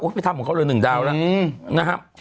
โอ้ยไม่ทำของเขาเหลือ๑ดาวแล้วนะครับ